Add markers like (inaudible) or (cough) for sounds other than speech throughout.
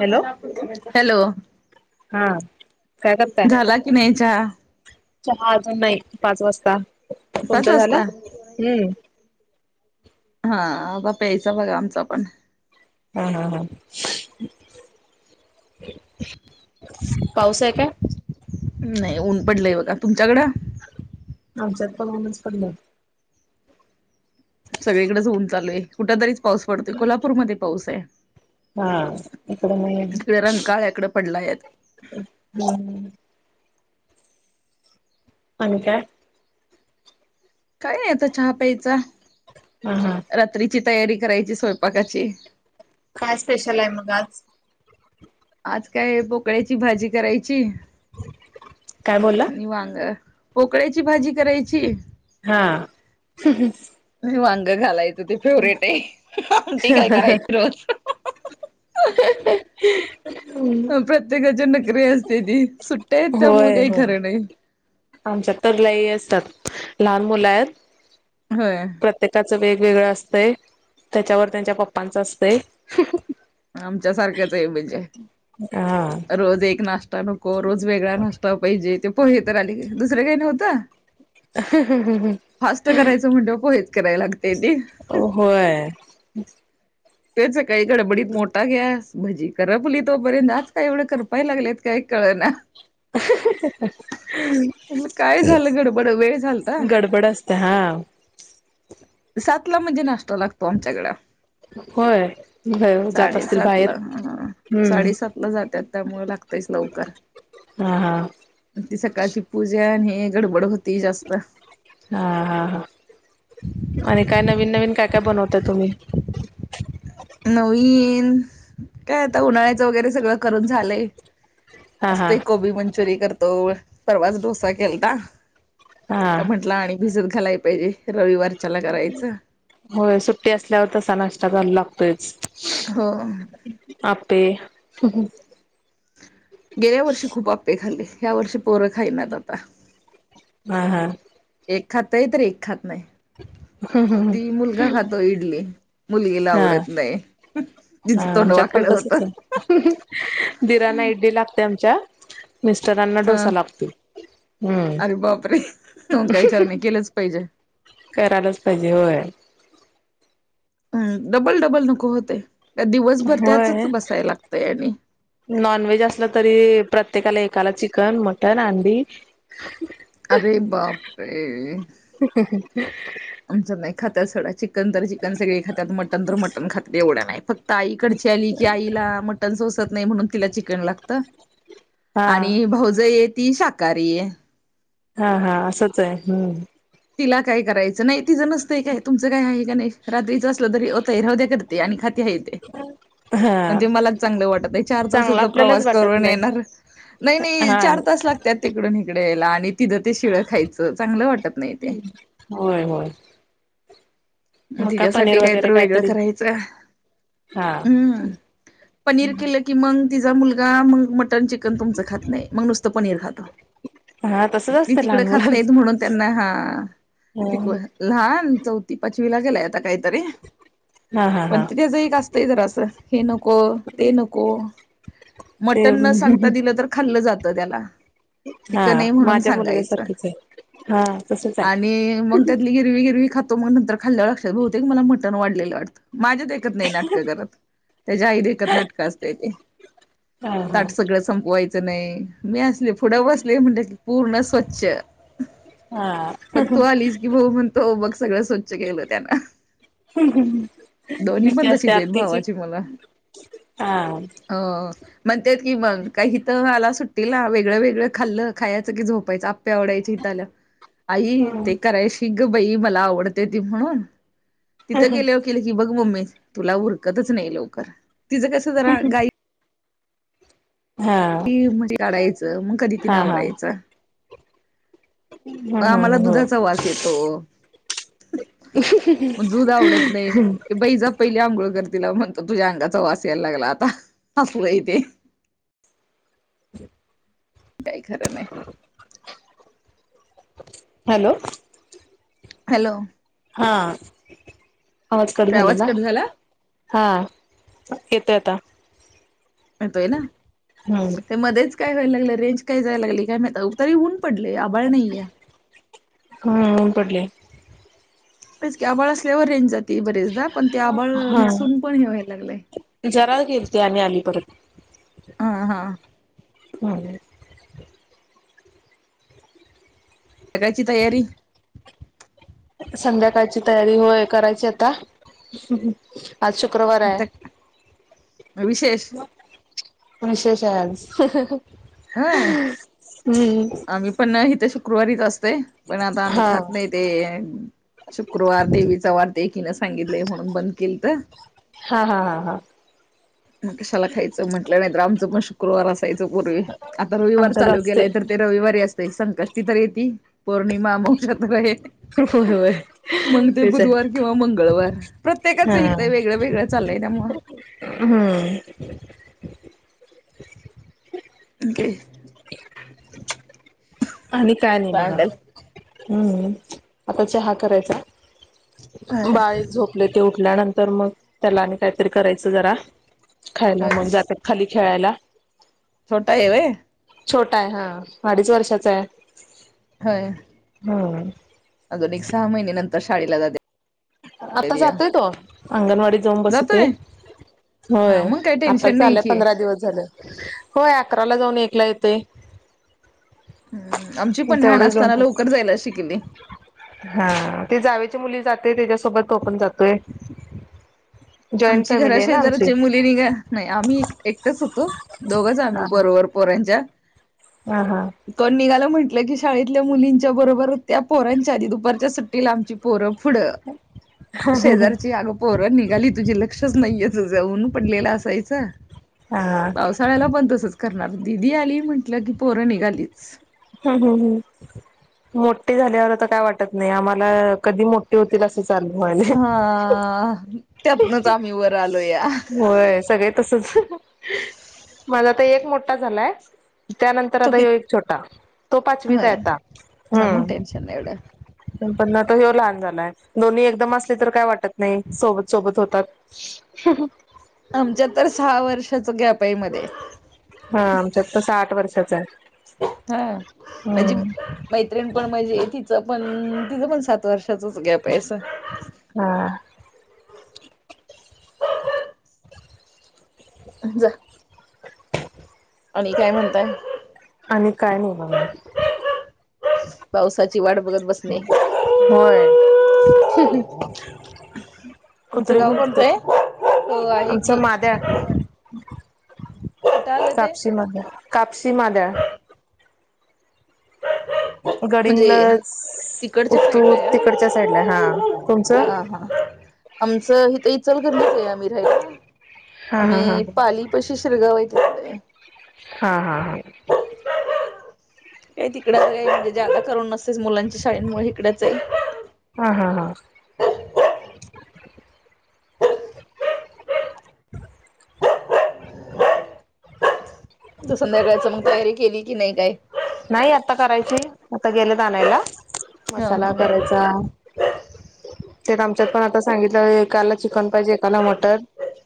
Hello hello? हा काय करताय? झाला की नाही चहा? चहा अजून नाही पाच वाजता, पाच तुमचा झालां? वाजता हम्म. हा बा प्यायचा बघा आमचा पण. हा हा हा. पाऊस आहे काय? नाही ऊन पडलंय बघा. तुमच्याकडं? आमच्यात पण ऊनच पडलं. सगळीकडेच ऊन चालू आहे, कुठ तरीच पाऊस पडतोय कोल्हापूरमध्येध्ये पाऊस आहे. हा इकड नाही. पडलायत. हम्. आणि काय? काही नाही. आता चहा प्यायचा, हा हा रात्रीची तयारी करायची. स्वयंपाकाची काय स्पेशल आहे मगं आज? आज काय पोकळ्याची भाजी करायची, काय बोलला नि वांग. पोकळा्याची भाजी करायची. हा. आणि वांग घालायच ते फेवरेट आहे, आमटी काय करायची रोज. (inaudible) प्रत्येकाच्या नखरी असतेती ती सुट्ट्या आहेत त्यामुळे काही खरं नाही. (inaudible) आमच्या तर लय असतात. लहान मुला आहेत. होय प्रत्येकाचं वेगवेगळं असत त्याच्यावर त्यांच्या पप्पांचं असते. आमच्या सारख्याच आहे. म्हणजे हा रोज एक नाष्टा. नको रोज वेगळा नाष्टा पाहिजे पोहे तर आले दुसरं काही नव्हतं. फास्ट करायचं म्हणत पोहेच करायला लागतं. होय. तेच सकाळी गडबडीत मोठा गॅस भजी करपली तोपर्यंत आज काय एवढं करपाय लागलेत काय. कळना. रीकामा म्हटलं काय झालं गडबड वेळ झालता आहे गडबड असते हा (unintelligible) सातला म्हणजे नाष्ट्ता लागतो आमच्याकड होय जात असतील साडेसात ला बाहेर ह हम्म साडेसात ला जातात त्यामु लागतयस लवकर हा हा ती सकाळची पूजा आणि हे गडबड होती जास्त हा हा हा आणि काय नवीन नवीन काय काय बनवताय तुम्ही नवीन काय आता उन्हाळ्याचं वगैरे सगळं करून झालंय हा असत हा कोबी मंचुरीि करतो परवाच डोसा केलता हा तर म्हंटला आणि भिजत घालाय पाहिजे रविवारच्याला करायचं होय सुट्टी असल्यावर तसा नाश्ता कराला लागतोयच हो आपे ह वर्षी पोरं खायनत आता हा हा एक खातय तर एक खात नाही ती मुलगा खातो इडली मुलगीला हा आवडत नाही तिचं हा आमच्यात पण तोंडवाकड होत ला आमच्या मिस्टरांना अ डोसा ला अरे बापरे काही करणे केलंच पाहिजे करायलाच पाहिजे होय अ डबल डबल नको होते होय आणि नॉन व्हेज असलं तरी प्रत्येकाला एकाला चिकन मटन अंडी अरे बापरे ह हम ह आमच नाही खात सोडा चिकन तर चिकन सगळे खातात मटन तर मटन खातात एवढ्या नाही फक्त आईकडची आली की आईला मटन सोसत नाही म्हणून तिला चिकन लागत हा आणि भाऊज ये ती शाकाहारी आहे हा हा असंच आहे हम्म तिला काय करायचं नाही तिचं नसतंय काय तुमचं काय आहे का नाही रात्रीचं असलं तरी तैरहद्या करते आणि खात ह येत हा म्हणजे मला चांगले वाटत चार चांगलं तसाचा आपल्यालाच प्रवास वाटत करून नाही येणार नाही नाही हा चार तास लागतात तिकडून इकडे यायला आणि तिथं ते शिळं खायचं चांगलं वाटत नाही ते होय होय म मग तिच्यासाठी पनीर काय वगैरे तर वेगळं काहीतरी करायचं हा हम्म पनीर केलं कि मंग तिचा मुलगा मग मटन चिकन चन तुमचं खात नाही मग नुसतं पनीर खातो हा तसच ती असतं तिकडे लहान खात मुलांच नाहीत म्हणून त्यांना हा शिकवा लहान चौथी पाचवीला गेलाय आता काहीतरी हा हा पण हा ते त्याच एक असतंय जरास हे नको ते नको, ते मटण न सांगता दिलं तर खाल्लं जात त्याला हा चिकन आहे म्हणून माझ्या सांगायचं मुलग्यासारखंच आहे हा तसच आहे आणि मग त्यातली हिरवी हिरवी खात तो मग नंतर खाल्यावर लक्षात येते मला मटन वाढलेलं वाटतं माझ्यात देखत नाही नाटकं करत त्याच्या आई देखत नाटकं असतय ते हा हा ताट सगळं संपवायचं नाही मी असले पुुडं बसले म्हणटल की पूर्ण स्वच्छ हा मग तू आलीस की भाऊ म्हणतो बघ सगळं स्वच्छ केेलं त्यान दोन्ही भीती पण असते तशीच येईल आत्तीची भावाची मूल हा अ म्हणतेत कि मग काही इथं आला सुट टीला वेगळं वेगळं खाल्ल खायचं की झोपायचं आत्ता ओरडायची इथे आल्यावर. आई हा ते करायशी ग बाई मला आवडते ती म्हणून तिथं गेल्यावर केलं की बघ ममे तुला उरकतच नाही लवकर तिचं कसं जरा घाईत हा (unintelligible) काढायचं मग कधी तिनं हा ह आवरायचं. ह आम्हाला हो दुधाचा वास येतो मग दुध आवडत नाही. बाई जा पहिली आंघोळ कर तिला म्हणतो तुझ्या अंगाचा वास यायला लागला आता तसला इथे (inaudible) काय खरं नाय हॅलो. हॅलो. हा आवाज कट झालेला. हा येतोय आता. येतोय ना, हम्म ते मध्येच काय व्हायला लागलं रेंज काय जायला लागली काय माहित. आहो ताई ऊन पडलंय, आभाळ नाहीये. हम्म पडले खरंच की आभाळ असल्यावर रेंज जाते बरेचदा पण ते आभाळ नसून पण हे व्हयला लागलंय. काल गेलती आम्ही अली हा हा (unintelligible) त्याची तयारी संध्याकाळची तयारी होय, करायची आता. आज शुक्रवार हाय विशेष मग विशेष आहे आज व्हय हम्म आम्ही पण इथ शुक्रवारीच अस तय पण आता आम्ही हा खात नाही ते शुक्रवार देवीच चा वार एकीने सांगितलंय म्हणून बंद केलत हा हा हा हा. मग कशाला खायचं म्हटलं नाही तर आमचं पण शुक्रवार अस तय त्याचापूर्वी. आता रविवार आमच्यात चालू असते. केलाय तर ते रविवारी अस ते संकष्टी तर यती पौर्णिमा अमावश्या होय होय (unintelligible) मग ते तेच आहे. बुधवार किंवा मंगळवार. प्रत्येकाच हा हित वेगळं वेगळं चाललंय त्यामुळं हम्म. ठीक है. आणि काय नाही बघा. हम्म, आता चहा करायचा होय बाळ झोपले ते उठल्यानंतर मग त्याला आणि काहीतरी करायचं जरा खायला होय मग जातात खाली खेळायला. छोटा हाय व्हय? छोटा आहे हा अडीच वर्षाचा आहे. व्हय. हम अजून एक सहा महिन्यानंतर शाळेला जाईल. आता जातोय तो अंगणवाडीत जाऊन बसते. जातोय हा होय, मग काही आता टेन्शन नाही चालंय की पंधरा दिवस झालं होय अकराला जाऊन एक एकला येतोय. हम्म आमची पण लहान असताना तेवढंच लवकर जायला शिकली (unintelligible) हा. ते जावेची मुली जाते त्याच्यासोबत तो पण जातोय. जॉईंट आमची फॅमिली घरा आहे ना आमची शेजाराचे मुलीनी घ नाही आम्ही एकटच होतो दोघच आम्ही हा बरोबर (unintelligible) हा हा हा कोण निघाल की शाळेतल्या मुलींच्या बरोबर त्या पोहरांच्या आधी दुपारच्या सुट्टीला आमची पोरं पुढं शेजारची आगो पोर निघाली तुझी लक्ष नाही जाऊन पणलेला असायच हा पावसाळ्याला पण तसच करणार दिदी आली म्हंटलं की पोरं निघालीच हम्म हम्म हम्म मोठे झाल्यावर तर काय वाटत नाही आम्हाला कधी मोठे होतील असं चाल हा त्यातनच आम्ही वर होय सगळे तसच हम् माझा आता एक मोठा झालाय त्यानंतर तो आता कित एक छोटा तो पाचवीत आहे होय आता हा मग हम्म टेन्शन नाही एवढं छान झाय दोन्ही एकदम असले तर काय वाटत नाही सोबत सोबत होतात आमच्या तर सहा वर्षाच ग्यापाईमध्येध्ये हा आमच्यात तर साठ वर्षाच आहे हा म्हजी हम्म मैत्रिण पण म्हणज तिच पण तिचं पण सात वर्षाचच गॅप आहेस हा जा आणि काय म्हणताय आणि काय नाही बघ पावसाची वाट बघत बसणे होय तुमचं कुत्रे गाव कोणतं आहे भगतात हो आहे आमच की माद्या कुठं आलं ते कापस मा कापसी मादळ म्हणजे गडंगलं तिकडच्या उत्तूर साईडला आहे तिकडच्या साईड ला हा तुमचं व्हय हा हा आमचं हथ इचल गलीच आहे आम्ही राहायला हा हा हा आम्ही पाली पशी शिरगावय हा हा हा का तिकडच म्हणजे जेदा करून नसतेच मुलांच्या शाळेंमुळे इिकडच आहे हा हा हा (inaudible) संध्याकाळचं मग तयारी केली की नाही काय नाही आता करायची आता गेलेतनायला हा मसाला हा करायचा त्यात आमच्यात पण आता सांगितलं एकाला चिकन पाहिजे एकाला मटर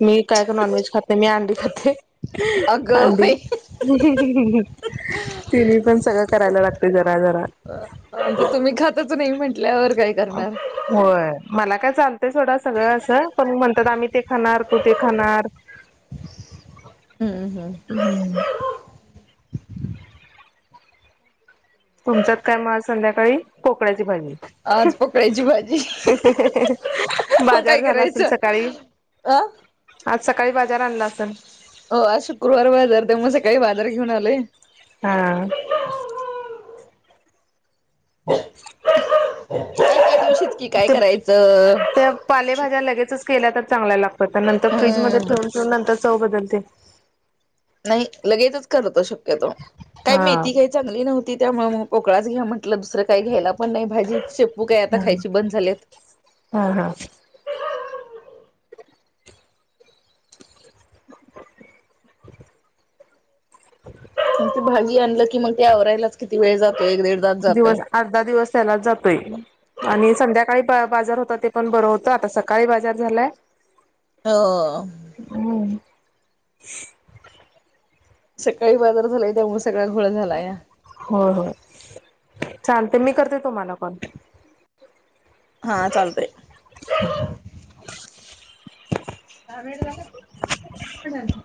मी काय काय नॉनव्हेज खाते मी अंडी खाते अगं हांडी बाई पण सगळं करायला लागत जरा जरा तुम्ही खातच नाही म्हटल्यावर काय करणार होय मला काय चालतय सथोडा सगळं असं पण म्हणतात आम्ही ते खाणार कु ते खाणार हो हम्म तुमच्यात काय म संध्याकाळी कोकळाची भाजी आज पकळायची भाजी बाजार झाला असेल सकाळी अह आज सकाळी बाजार आणला अस सेल हो आज शुक्रवार बाजार तेमुळे अस काही बाजार घेऊन आले हा हा ते त्या पालेभाज्या लगेचच केल्या तर चांगला लागतो त्या नंतर फ्रीज म हम्म ठेवून ठेवून नंतर चव बदलते लगेच करतो शक्यतो काही हा मेथी काही चांगली नव्हती त्यामुळे मग पोकळाच घ्या म्हण आपलं दुसरं काही घ्यायला पण नाही भाजी तू काय आता खायची हा बंद झालीत हा ते भाजी आणलं की मग ते आवरायलाच किती वेळ जात दिवस अर्धा दिवस त्यालाच जातोय आणि संध्याकाळी बाजार होता ते पण बरं होतं आता सकाळी बाजार झालाय हो (unintelligible) सकाळी बाजार झालाय त्यामुळे सगळा घोळा झाला या हो हो चालते मी करते तुम्हाला कॉल हा चालतय दहा मिेट कितीत